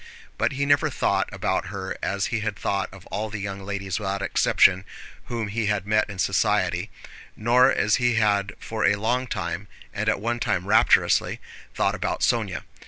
But he never thought about her as he had thought of all the young ladies without exception whom he had met in society, nor as he had for a long time, and at one time rapturously, thought about Sónya.